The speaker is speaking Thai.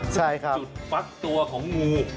จุดพักตัวของงู